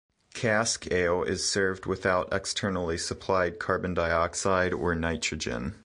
Cask ale is served without externally supplied carbon dioxide or nitrogen.